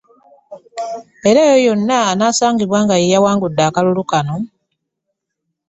Era oyo yenna anaasangibwa nga ye yawangudde akalulu kano